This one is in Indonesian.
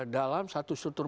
dalam satu struktur